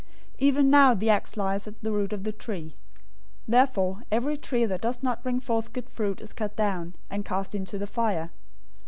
003:010 "Even now the axe lies at the root of the trees. Therefore, every tree that doesn't bring forth good fruit is cut down, and cast into the fire.